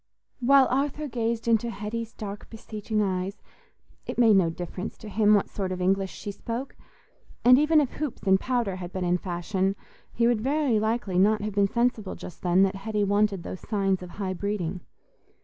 While Arthur gazed into Hetty's dark beseeching eyes, it made no difference to him what sort of English she spoke; and even if hoops and powder had been in fashion, he would very likely not have been sensible just then that Hetty wanted those signs of high breeding.